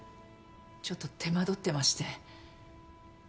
ちょっと手間取ってまして。